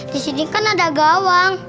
disini kan ada gawang